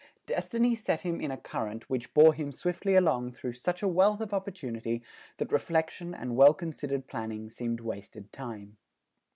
Destiny set him in a current which bore him swiftly along through such a wealth of opportunity that reflection and well considered planning seemed wasted time.